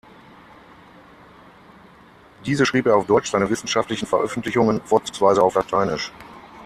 Diese schrieb er auf Deutsch, seine wissenschaftlichen Veröffentlichungen vorzugsweise auf Lateinisch.